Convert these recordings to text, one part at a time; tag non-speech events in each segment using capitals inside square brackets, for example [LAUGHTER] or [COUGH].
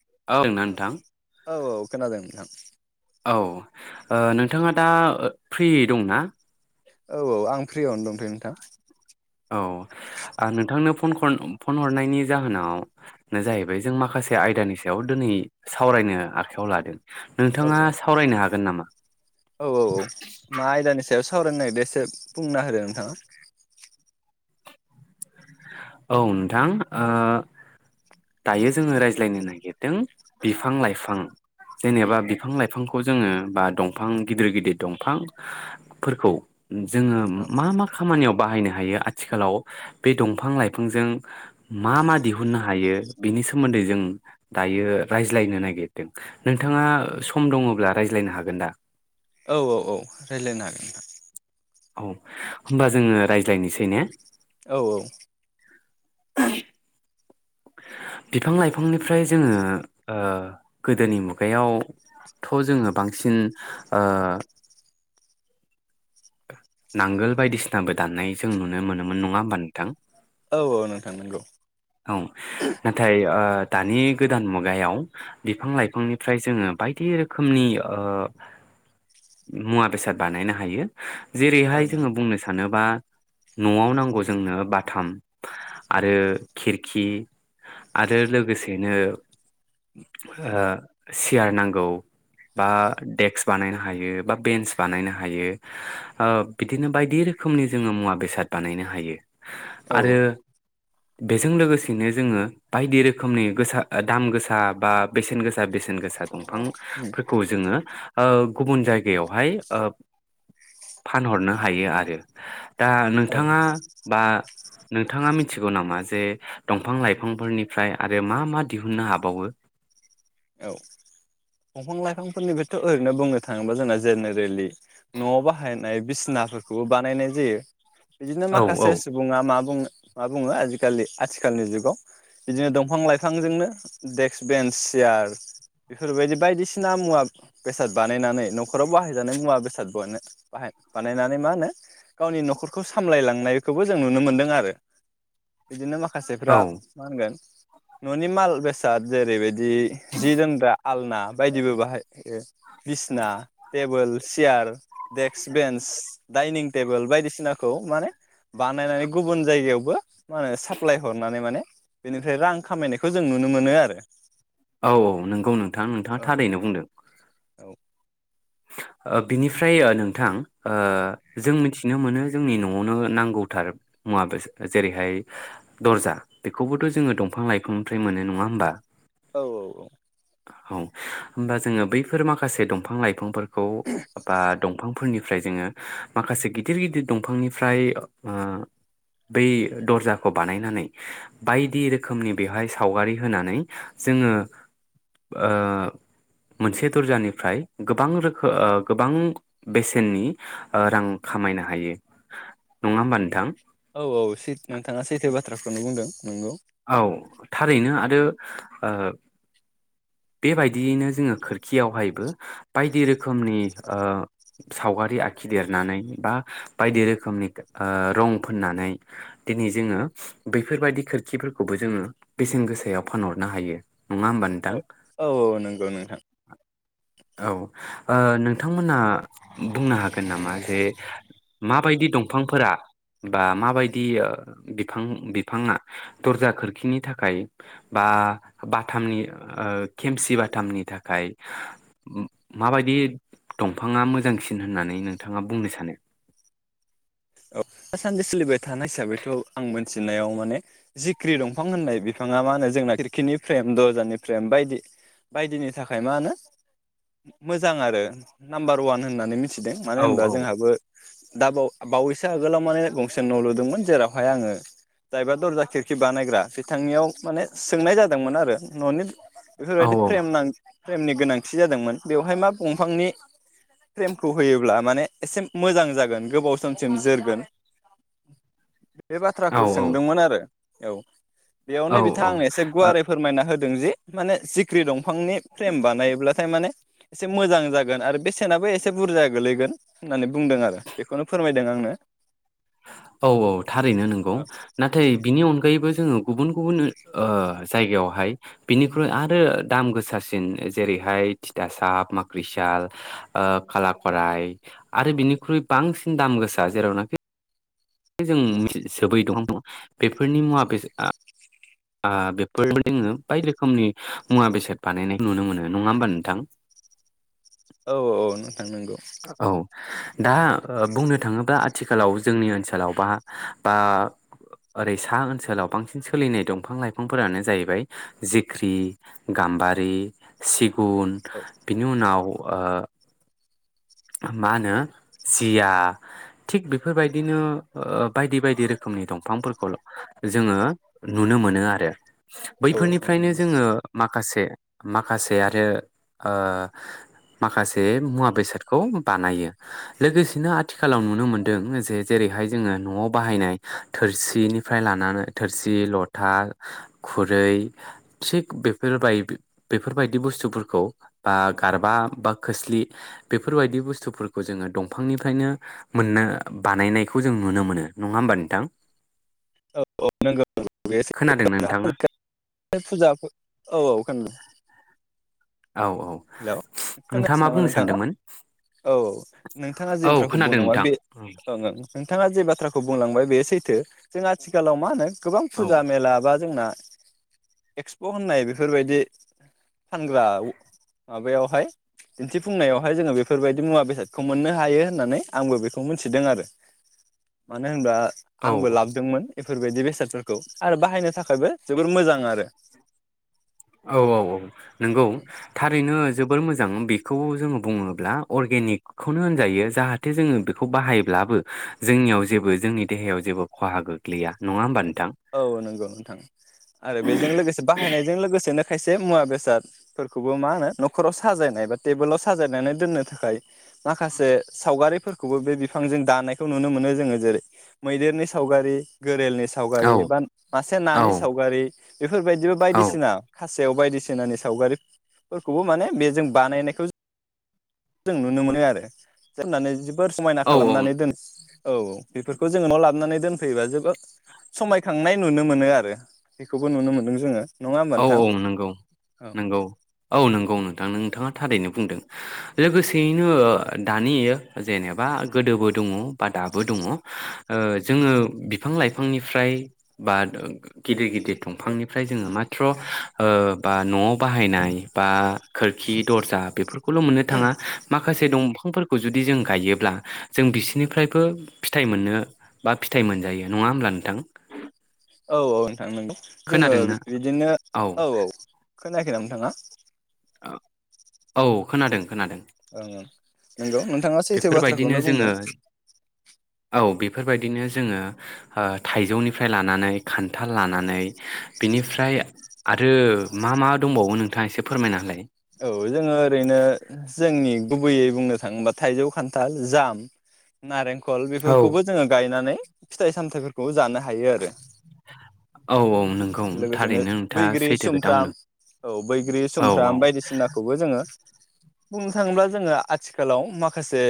[UNINTELLIGIBLE] औ नोंथां औ औ खोनादों नोंथां औ नोंथाङा दा फ्रि दंना औ औ आं फ्रियावनो दंथयो नोंथां औ नोंथांनो फन फन हरनायनि जाहोनानो जाहैबाय जों माखासे आयदानि सायाव दिनै सावरायनो आखायाव लादों औ नोंथाङा सावरायनो हागोन नामा सावरायनाय बेसे बुंना होदो नोंथाङा औ नोंथां दायो जोङो रायज्लायनो नागिरदों बिफां लाइफां जेनेबा बिफां लाइफांखौ जोङो बा दंफां गिदिर गिदिर दंफांफोरखौ जोङो मा मा खामानियाव बाहायनो हायो आथिखालाव बे दंफां लाइफांजों मा मा दिहुननो हायो बिनि सोमोन्दै जों दायो रायज्लायनो नागिरदों नोंथाङा सम दङब्ला रायज्लायनो हागोन दा औ औ औ रायज्लायनो हागोन नोंथां औ होमबा जोङो रायज्लायनोसै ने औ औ [INAUDIBLE] बिफां लाइफांनिफ्राय जोङो गोदोनि मुगायावथ' जोङो बांसिन नांगोल बायदिसिनाबो दान्नाय जों नुनो मोनोमोन नङा होमबा नोंथां औ औ नोंथां नंगौ औ नाथाय दानि गोदान मुगायाव बिफां लाइफांनिफ्राय जोङो बायदि रोखोमनि मुवा बेसाद बानायनो हायो जेरैहाय ओं जोङो बुंनो सानोबा न'आव नांगौ जोंनो बाथाम आरो खिरखि आरो लोगोसेनो सियार नांगौ बा देक्स बानायनो हायो बा बेन्स बानायनो हायो बिदिनो बायदि रोखोमनि जोङो मुवा बेसाद बानायनो हायो ओं आरो बेजों लोगोसेनो जोङो बायदि रोखोमनि गोसा दाम गोसा बा बेसेन गोसा बेसेन गोसा दंफांफोरखौ जोङो गुबुन जायगायावहाय फानहरनो हायो आरो दा औ नोंथाङा बा नोंथाङा मिथिगौ नामा ज दंफां लाइफांफोरनिफ्राय आरो मा मा दिहुननो हाबावो औ औ दंफां लाइफांफोरनिफायथ' ओरैनो बुंनो थाङोबा जोंना जेनेरेलि न'आव बाहायनाय बिसिनाफोरखौबो बानायनाय जायो बिदिनो औ माखासे सुबुङा मा बुङो मा बुङो आजिखालि आथिखालनि जुगाव बिदिनो दंफां लाइफांजोंनो देक्स बेन्स सियार बेफोरबायदि बायदिसिना मुवा बेसाद बानायनानै नखराव बाहायजानाय मुवा बेसादखौनो बाह बानायनानै मा होनो गावनि नखरखौ सामलायलांनायखौबो जों नुनो मोनदों आरो बिदिनो माखासे औ माखासेफ्रा मा होनगोन ननि माल बेसाद जेरैबाय जि जि दोनग्रा आलना बायदिबो बाहायो बिसिना टेबोल सियार देक्स बेन्स दाइनिं टेबोल बायदिसिनाखौ माने बानायनानै गुबुन जायगायावबो मा होनो साप्लाय हरनानै माने बेनिफ्राय रां खामायनायखौ जों नुनो मोनो आरो औ औ नोंगौ नोंथां नोंथां औ थारैनो बुंदों औ ओ बिनिफ्राय ओ नोंथां ओ जों मिथिनो मोनो जोंनि न'आवनो नांगौथार मुवा बेसाद जेरैहाय दरजा बेखौबोथ' जोङो दंफां लाइफांनिफ्राय मोनो नङा होमबा औ औ औ औ होमबा जोङो बैफोर माखासे दंफां लाइफांफोर खौ बा दंफांफोरनिफ्राय जोङो माखासे गिदिर गिदिर दंफांनिफ्राय ओ बै दरजाखौ बानायनानै बायदि रोखोमनि बेवहाय सावगारि होनानै जोङो ओ मोनसे दरजानिफ्राय गोबां रो खो ओ गोबां बेसेननि ओ रां खामायनो हायो नङा होमबा नोंथां औ औै सै नोंथाङा सैथो बाथ्राखौनो बुंदों नंगौ औ थारैनो आरो ओ बेबायदियैनो जोङो खोरखियावहायबो बायदि रोखोमनि ओ सावगारि आखिदेरनानै बा बायदि रोखोमनि ओ रं फोननानै दिनै जोङो बैफोरबायदि खोरखिफोरखौबो जोङो बेसेन गोसायाव फानहरनो हायो नङा होमबा नोंथां औ औ औ नोंगौ नोंथां औ ओ नोंथांमोना बुंनो हागोन नामा जे माबायदि दंफांफोरा बा माबायदि ओ बिफां बिफाङा दरजा खोरखिनि थाखाय बा बाथामनि ओ खेमसि बाथामनि थाखाय माबायदि दंफाङा मोजांसिन होननानै नोंथाङा बुंनो सानो औ दासानदि सोलिबाय थानाय हिसाबैथ' आं मिथिनायाव माने जिख्रि दंफां होननाय बिफाङा मा होनो जोंना खिरखिनि फ्रेम दजानि फ्रेम बायदि बायदिनि थाखाय मा होनो मोजां आरो नाम्बार वान होननानै मि थिदो मानो औ होनबा औ जोंहाबो दाबाव वैसो आगोलाव माने गंसे न' लुदोंमोन जेरावहाय आङो जायबा दरजा खिरखि बानायग्रा बिथांनियाव माने सोंनाय जादोंमोन आरो न'नि बेफोर औ बायदि प्रेम नां फ्रेमनि गोनांथि जादोंमोन बेवहाय मा बंफांनि फ्रेमखौ होयोब्ला माने एसे मोजां जागोन गोबाव समसिम जोरगोन बे बाथ्राखौ औ औ सोंदोंमोन आरो औ बेयावनो औ बिथांआ आंनो एसे औ गुवारै फोरमायना हो दोंजे माने जिक्रि दं फांनि फ्रेम बानायोब्लाथाय माने एसे मोजां जागोन आरो बेसेनाबो एसे बुरजा गोलैगोन होननानै बुंदों आरो बेखौनो फोरमायदों आंनो औ औ थारैनो नोंगौ औ नाथाय बिनि अनगायैबो जोङो गुबुन गुबुन ओ जायगायावहाय बिनिख्रुइ आरो दाम गोसासिन जेरैहाय थिथासा माख्रिसाल ओ खाला खराइ आरो बिनिख्रुइ बांसिन दाम गोसा जेरावनाखि जों सोबै दङ बेफोरनि मुवा बेसाद आ बायदि रोखोमनि मुवा बेसाद बानायनाय नुनो मोनो नङा होमबा नोंथां औ औ [UNINTELLIGIBLE] औ दा बुंनो थाङोब्ला आथिखालाव जोंनि ओनसोलाव बा बा ओरै सा ओनसोलाव बांसिन सोलिनाय दंफां लाइफांफोरानो जाहैबाय जिख्रि गाम्बारि सिगुन औ बिनि उनाव ओ मा होनो जिया थिग बेफोरबायदिनो ओ बायदि बायदि रोखोमनि दंफांफोरखौल जोङो नुनो मोनो आरो औ औ बैफोरनिफ्रायनो नंगौ जोङो माखासे माखासे आरो ओ माखासे मुवा बेसाद खौ बानायो लोगोसेनो आथिखालाव नुनो मोनदों जे जेरैहाय जोङो न'आव बाहायनाय थोरसिनिफ्राय लानानै थोरसि लथा खुरै थिग बेफोरबाय बेफोरबायदि बुस्थुफोरखौ बा गारबा बा खोस्लि बेफोरबायदि बुस्थुफोरखौ जोङो दंफांनिफ्रायनो मोननो बानायनायखौ जों नुनो मोनो नङा होमबा नोंथां औ औ नोंगौ खोनादोंना नोंथाङा फुजा औ औ औ औ हेलौ नोंथाङा खोनायासै मा नामा बुंनो नोंथाङा सानदोंमोन औ नोंथाङा जे औ बाथ्राखौ खोनादों बुंनाङा नोंथां बे ओओं नोंथाङा जे बाथ्राखौ खौ बुंलांबाय बे सैथो जों आथिखालाव मा होनो गोबां औ फुजा मेला बा जोंना एक्सप' होननाय बेफोरबायदि फानग्रा माबायावहाय दिन्थिफुंनायावहाय जोङो बेफोरबायदि मुवा बेसादखौ मोननो हायो होननानै आंबो बेखौ मिथिदों आरो मानो होनबा औ आंबो लाबदोंमोन बेफोरबायदि बेसादफोरखौ आरो बाहायनो थाखायबो जोबोर मोजां आरो औ औ औ नोंगौ थारैनो जोबोर मोजां बेखौ जोङो बुङोब्ला अरगेनिकखौनो होनजायो जाहाथे जोङो बेखौ बाहायब्लाबो जोंनियाव जेबो जोंनि देहायाव जेबो खहा गोग्लैया नङा होमबा नों औ नंगौ नोंथां आरो बेजों लोगोसे बाहायनायजों लोगोसेनो खायसे मुवा बेसादफोरखौबो मा होनो न'खराव साजायनाय बा टेबोलाव साजायनानै दोननो थाखाय माखासे सावगारिफोरखौबो बे बिफांजों दानायखौ नुनो मोनो जोङो जेरै मैदेरनि सावगारि गोरेलनि औ सावगारि बा मासे औ नानि सावगारि बेफोरबायदिबो औ बायदिसिना खासेव बायदिसिनानि सावगारिफोरखौबो माने बेजों बानायनायखौ जों नुनो मोनो आरो जोबनानै बोर समायना औ खालामनानै दोन औ औ बेफोरखौ जोङो न' लाबनानै दोनफैयोबा जोबोद समायखांनाय नुनो मोनो आरो बेखौबो नुनो मोनदों जोङो नङा होमबा औ नोंथां औ नंगौ औ नंगौ औ नंगौ नोंथां नों थाङा थारैनो बुंदों लोगोसेयैनो दानि जेनेबा गोदोबो दङ बा दाबो दङ ओ जोङो बिफां लाइफांनिफ्राय बा गिदिर गि दिर दंफांनिफ्राय जोङो मा थ' ओ बा न'आव बाहायनाय बा खोरखि दर्जा बेफोरखौल' मोननो थाङा माखासे बे दंफांफोरखौ जुदि जों गायोब्ला जों बिसोरनिफ्रायबो फिथाइ मोननो बा फिथाइ मोनजायो नङा होमब्ला नोंथां औ औ नोंथां नंगौ जोङो खोनादोंना बिदिनो औ औ खोनाखै नों नाङा औ खोनादों खोनादों ओं ओं नंगौ नोंथाङा सैथो बेफोरबायदिनो बाथ्राखौनो बुंदों फोरबायदिनो जोङो ओ थाइजौनिफ्राय लानानै खान्थाल लानानै बिनिफ्राय आरो मा मा दंबावो नोंथाङा एसे फोरमायना होलाय औ जोङो ओरैनो जोंनि गुबैयै बुंनो थाङोबा थाइजौ, खान्थाल, जाम, नारें खल औ बेफोरखौबो जोङो गायनानै फिथाइ सामथाइफोरखौ जानो हायो आरो औ औ नंगौ लोगोसेनो थारैनो नोंथाङा बैग्रि सैथो खोथा सुमफ्राम बुंदों औ बैग्रि औ सुमफ्राम बायदि सिनाखौबो जोङो बुंनो थाङोब्ला जोङो आथिखालाव माखासे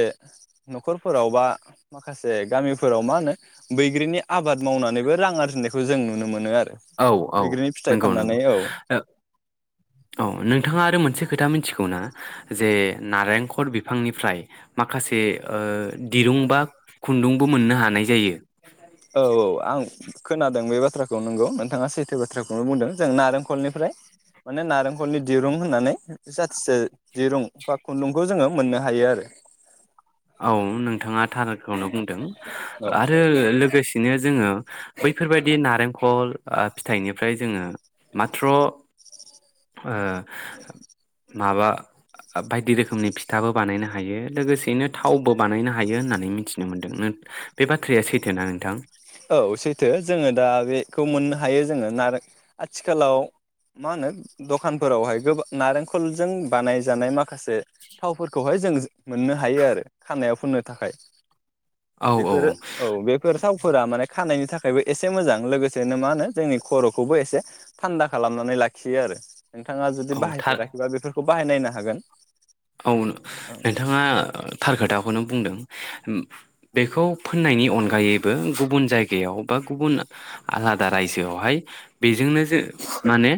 न'खरफोराव बा माखासे गामिफोराव मा होनो बैग्रिनि आबाद मावनानैबो रां आरजिनायखौ जों नुनो मोनो आ औ औ नंगौ नंगौ औ नोंथाङा आरो मोन से खोथा मिथिगौ ना जे नारेंखर बिफांनिफ्राय माखासे ओ दिरुं बा खुन्दुंबो मोननो हानाय जायो। औ औ आं खोनादों बे बाथ्राखौ नंगौ नोंथाङा सैथो बाथ्राखौनो बुंदों जों नारेंखलनिफ्राय माने नारेंखलनि दिरुं होननानै जाथिसे दिरुं बा खुन्दुंखौ जोङो मोननो हायो आरो औ नोंथाङा थारखौनो बुंदों औ आरो लोगो सेनो जोङो बैफोरबायदि नारेंखल ओ फिथाइनिफ्राय जोङो माथ्र' ओ माबा बायदि रोखोमनि फिथाबो बानायनो हायो लोगोसेयैनो थावबो बानायनो हायो होननानै मिथिनो मोन्दों बे बाथ्राया सैथो नोंथां? औ सैथो जोङो दा बेखौ मोननो हायो जोङो नारें आथिखालाव मा होनो दखानफोरावहाय गोबां नारेंखलजों बानायजानाय मा माखासे थावफोरखौहाय जों मोननो हायो आरो खानायाव फोननो थाखाय। बेफोरो औ बेफोर थाव माने खानायनि थाखायबो एसे मोजां लोगोसेनो मा होनो जोंनि खर'खौबो एसे थान्दा खालामनानै लाखियो आरो। नोंथाङा जुदि औ थार बाहायफेराखैबा बेफोरफोर खौ बाहायनायनो हागोन औ नोंथाङा थार खोथाखौनो बुंदों। बेखौ फोननायनि अनगायैबो गुबुन जायगायाव बा गुबुन आलादा रायजोआवहाय बेजोंनो जों माने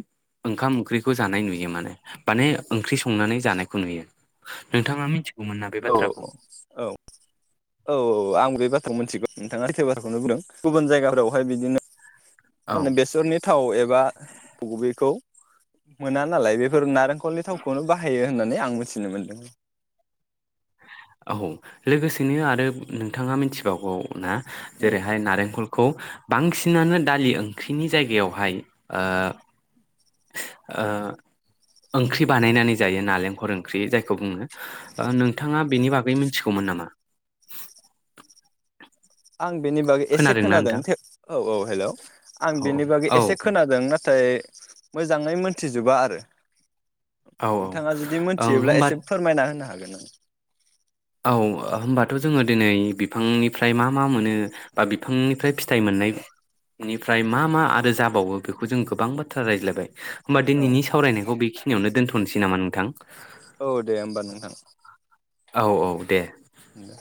ओंखाम ओंख्रिखौ जानाय नुयो माने माने ओंख्रि संनानै जानायखौ नुयो। नोंथां आ मिथि औ औ औ औ औ आं बे बाथ्रा मोनथिगौ नोंथाङा सैथो बाथ्राखौनो बुंदों गुबुन जायगाफोरावहाय बिदिनो औ माने बेसरनि थाव एबा बबेखौ मोना नालाय बेफोर नारेंखलनि थावखौनो बाहायो होननानै आं मिथिनो मोनदों औ लोगोसेनो आरो नोंथाङा मिनथि गौ औ ना उम जेरैहाय नारेंखल खौ बांसिनानो दालि ओंख्रिनि जायगायावहाय ओ ओ ओंख्रि बानायनानै जायो नालेंखर ओंख्रि जायखौ बुङो ओ नोंथाङा बेनि बागै मिथिगौमोन नामा? [INAUDIBLE] आं बेनि बागै एसे खोनादोंना खोनादों नोंथां औ औ हेल' आं औ बेनि बागै औ एसे खोनादों। नाथाय मोजाङै मोनथिजोबा आरो औ नोंथाङा जुदि औ मोनथियोब्ला होमबा एसे फोरमायना होनो हागोन गोनां औ होमबाथ' जोङो दिनै बि फांनिफ्राय मा मा मोनो बा बिफांनिफ्राय फिथाइ मोननायनिफ्राय मा मा आरो जाबावो बेखौ जों गोबां बाथ्रा रायज्लायबाय होमबा औ दिनैनि सावरायनायखौ बेखि नियावनो दोनथ'नोसै नामा नोंथां औ दे होमबा नोंथां औ औ दे दे